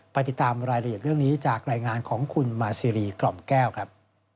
ไปติดตามรายละเอียดเรื่องนี้จากรายงานของคุณมาซีรีสกล่อมแก้วครับ